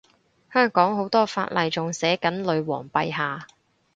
香港好多法例仲寫緊女皇陛下